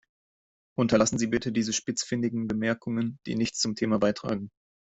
Unterlassen Sie bitte diese spitzfindigen Bemerkungen, die nichts zum Thema beitragen.